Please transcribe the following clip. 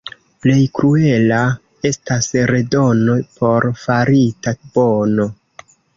Plej kruela estas redono por farita bono.